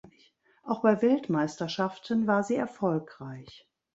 Auch bei Weltmeisterschaften war sie erfolgreich.